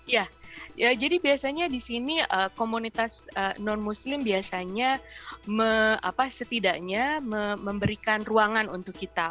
ya jadi biasanya di sini komunitas non muslim biasanya setidaknya memberikan ruangan untuk kita